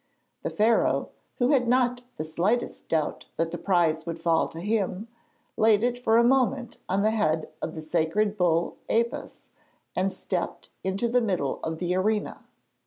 The Pharaoh, who had not the slightest doubt that the prize would fall to him, laid it for a moment on the head of the sacred bull Apis and stepped into the middle of the arena.